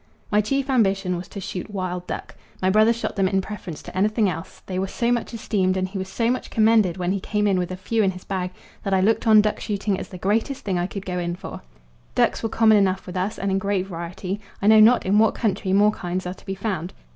My chief ambition was to shoot wild duck. My brother shot them in preference to anything else: they were so much esteemed and he was so much commended when he came in with a few in his bag that I looked on duck shooting as the greatest thing I could go in for. Ducks were common enough with us and in great variety; I know not in what country more kinds are to be found.